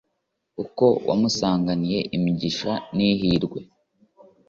kuko wamusanganije imigisha n'ihirwe